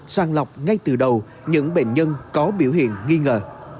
sàng lọc ngay từ đầu những bệnh nhân có biểu hiện nghi ngờ